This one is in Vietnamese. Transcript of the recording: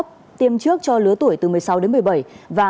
vĩnh cửu trạm y tế